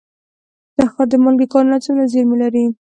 د تخار د مالګې کانونه څومره زیرمې لري؟